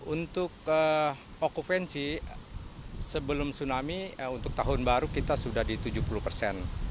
untuk okupansi sebelum tsunami untuk tahun baru kita sudah di tujuh puluh persen